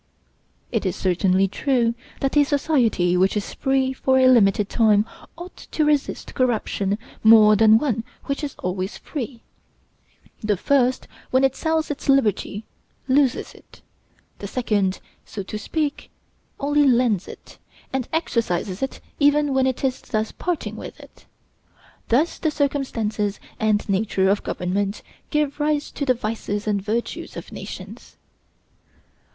It is certainly true that a society which is free for a limited time ought to resist corruption more than one which is always free: the first, when it sells its liberty, loses it; the second, so to speak, only lends it, and exercises it even when it is thus parting with it. Thus the circumstances and nature of government give rise to the vices and virtues of nations.